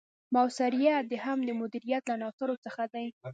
مؤثریت هم د مدیریت له عناصرو څخه دی.